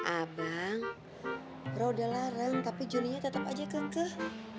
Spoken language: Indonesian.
abang roh udah larang tapi johnny nya tetep aja kekeh